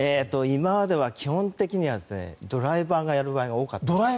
今までは、基本的にはドライバーがやる場合が多かったんです。